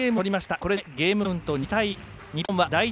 これでゲームカウント２対１。